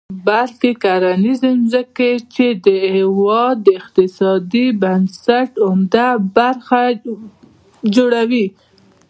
بلکې کرنیزې ځمکې، چې د هېواد د اقتصادي بنسټ عمده برخه جوړوي.